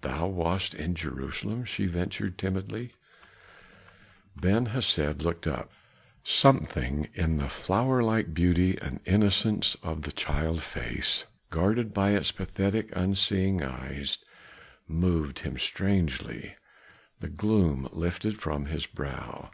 "Thou wast in Jerusalem?" she ventured timidly. Ben Hesed looked up; something in the flower like beauty and innocence of the child face, guarded by its pathetic, unseeing eyes, moved him strangely. The gloom lifted from his brow.